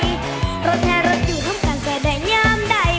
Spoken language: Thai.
รถแพร่รถอยู่ทำกันก็ได้งามได้